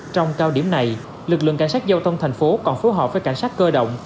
trong cao điểm này lực lượng cảnh sát giao thông thành phố còn phối hợp với cảnh sát cơ động